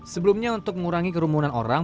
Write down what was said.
sebelumnya untuk mengurangi kerumunan orang